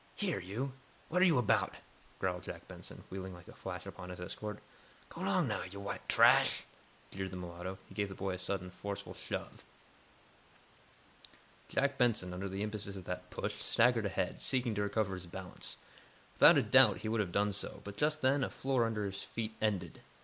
"Here, you! What are you about?" growled Jack Benson, wheeling like a flash upon his escort. "Go 'long, yo' w'ite trash!" jeered the mulatto. He gave the boy a sudden, forceful shove. Jack Benson, under the impetus of that push, staggered ahead, seeking to recover his balance. Without a doubt he would have done so, but, just then, the floor under his feet ended.